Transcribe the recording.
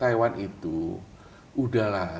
taiwan itu udahlah